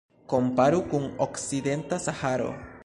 Komparu kun Okcidenta Saharo.